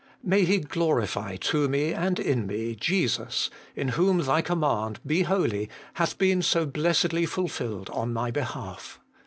May He glorify to me and in me, Jesus, in whom Thy command ' BE HOLY ' hath been so blessedly fulfilled on my behalf.